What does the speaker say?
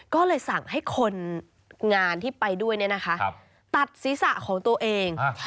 ก็เลยสั่งให้คนงานที่ไปด้วยเนี่ยนะคะตัดศีรษะของตัวเอง